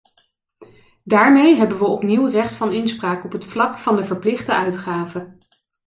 Daarmee hebben wij opnieuw recht van inspraak op het vlak van de verplichte uitgaven.